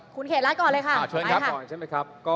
คุณเขตรัฐก่อนเลยค่ะ